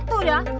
eh gila tuh ya